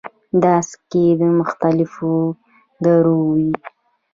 دا سکې د مختلفو دورو وې